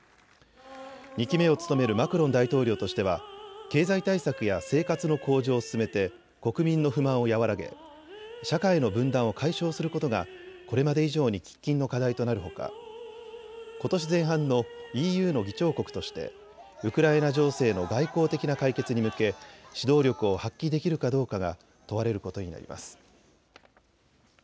２期目を務めるマクロン大統領としては経済対策や生活の向上を進めて国民の不満を和らげ社会の分断を解消することがこれまで以上に喫緊の課題となるほかことし前半のＥＵの議長国としてウクライナ情勢の外交的な解決に向け指導力を発揮できるかどうかが問われることになります。